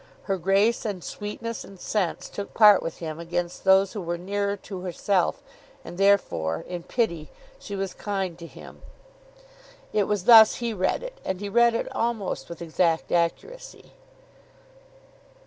Her grace, and sweetness, and sense, took part with him against those who were nearer to herself, and therefore, in pity, she was kind to him. It was thus he read it, and he read it almost with exact accuracy.